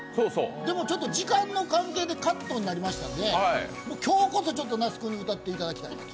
でもちょっと時間の関係でカットになりましたので今日こそ那須君に歌っていただきたい。